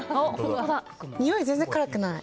におい、全然辛くない。